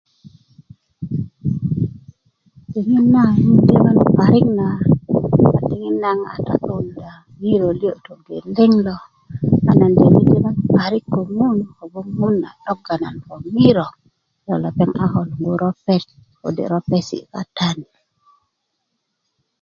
diŋit naŋ nan a lyöŋön parik na a diŋit nan nan a ta'dunda ŋiro liyo togeleŋ lo a nan Lyöŋi lyöŋön parik ko ŋun kogon lepeŋ 'dogga nan ko ŋiro logoŋ a ko lungu ropet kode ropesi katani